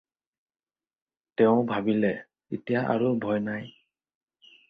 তেওঁ ভাবিলে এতিয়া আৰু ভয় নাই।